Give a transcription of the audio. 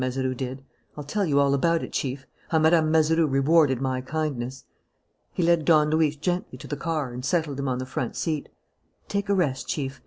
Mazeroux did. I'll tell you all about it, Chief, how Mme. Mazeroux rewarded my kindness." He led Don Luis gently to the car and settled him on the front seat. "Take a rest, Chief.